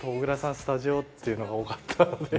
スタジオっていうのが多かったので。